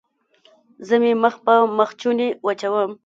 زه مې مخ په مخوچوني وچوم.